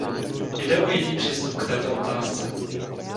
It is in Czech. Jde o jiný přístup k této otázce.